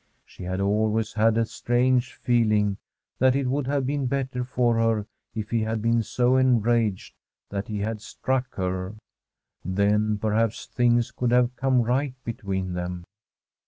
She had always had a strange feeling that it would have been better for her if he had been so enraged that [ 330 1 Tbi INSCRIPTION m tbi GRAVE he had struck her. Then, perhaps, things could have come right between them.